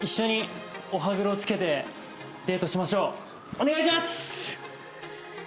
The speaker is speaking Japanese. お願いします！